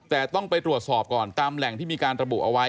แต่ต้องไปตรวจสอบก่อนตามแหล่งที่มีการระบุเอาไว้